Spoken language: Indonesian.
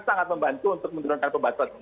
sangat membantu untuk menurunkan pembatasan